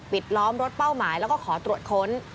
ล้อมรถเป้าหมายแล้วก็ขอตรวจค้น